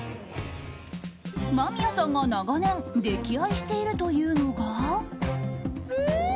間宮さんが長年、溺愛しているというのが。